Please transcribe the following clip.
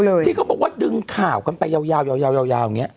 เลยที่เขาบอกว่าดึงข่าวกันไปยาวยาวยาวยาวยาวอย่างเงี้ย